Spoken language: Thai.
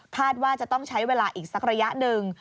ว่าจะต้องใช้เวลาอีกสักระยะหนึ่ง